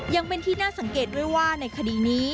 ยังเป็นที่น่าสังเกตด้วยว่าในคดีนี้